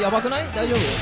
大丈夫？